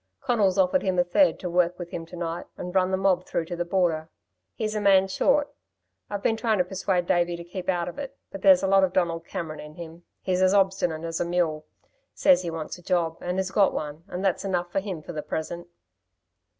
Conal's offered him a third to work with him to night, and run the mob through to the border. He's a man short. I've been trying to persuade Davey to keep out of it but there's a lot of Donald Cameron in him he's as obstinate as a mule. Says he wants a job, and has got one, and that's enough for him for the present."